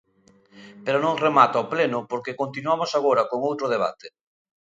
Pero non remata o pleno porque continuamos agora con outro debate.